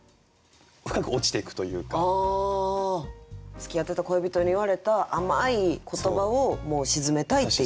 つきあってた恋人に言われた甘い言葉をもう沈めたいっていう。